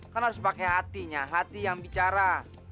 kan harus pakai hatinya hati yang bicara